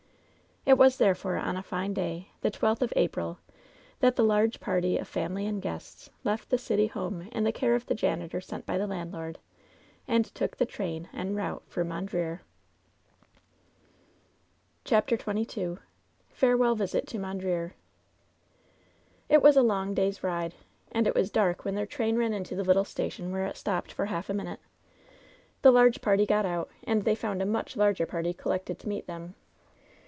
It was, therefore, on a fine day, the twelfth of April, that the large party of family and guests left the city home in the care of the janitor sent by the landlord, and took the train en route for Mondreer. CHAPTER XXII FABBWBLL VISIT TO MONDBEEB It was a long day^s ride, and it was dark when their train ran into Ae little station where it stopped for half a minute. The large party got out, and they found a much larger party collected to meet them.